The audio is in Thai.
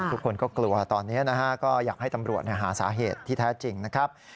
ทุกคนก็กลัวตอนนี้นะฮะก็อยากให้ตำรวจหาสาเหตุที่แท้จริงนะครับ